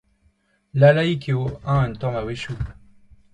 Lallaik eo eñ un tamm a-wechoù.